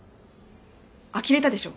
あきれたでしょ？